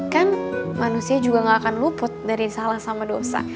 kan manusia juga gak akan luput dari salah sama dosa